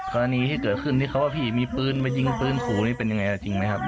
กรณีที่เกิดขึ้นที่เขาว่าพี่มีปืนมายิงปืนขู่นี่เป็นยังไงจริงไหมครับ